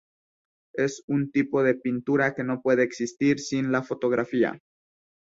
Es un tipo de pintura que no puede existir sin la fotografía.